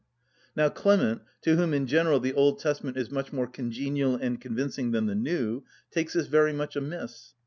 Now Clement, to whom in general the Old Testament is much more congenial and convincing than the New, takes this very much amiss.